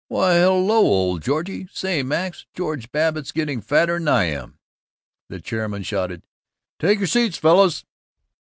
Why, hello, old Georgie! Say, Max, George Babbitt is getting fatter than I am!" The chairman shouted, "Take your seats, fellows!"